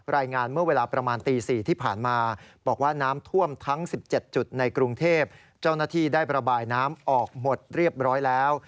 รายงานเมื่อเวลาประมาณตี๔ที่ผ่านมาบอกว่าน้ำท่วมทั้ง๑๗จุดในกรุงเทพเจ้าหน้าที่ได้ประบายน้ำออกหมดเรียบร้อยแล้ว